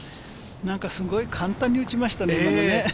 何かすごい簡単に打ちましたね、今ね。